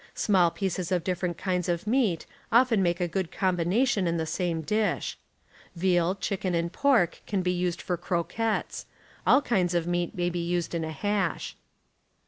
Small ijieces of 1 nmmings , dinerent kinds of meat often make a good combina 1 r. tion in the same dish. Veal, chicken and pork can lett overs be used for cro(]uettes : all kinds of meat may be put in hash.